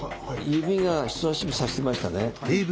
指が人さし指さしましたね。